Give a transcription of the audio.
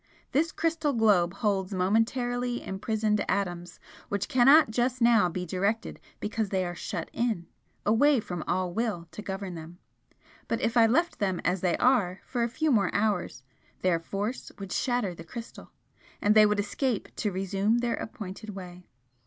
This crystal globe holds momentarily imprisoned atoms which cannot just now be directed because they are shut in, away from all Will to govern them but if I left them as they are for a few more hours their force would shatter the crystal, and they would escape to resume their appointed way.